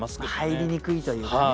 入りにくいというかね。